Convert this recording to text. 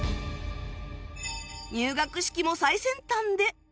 入学式も最先端で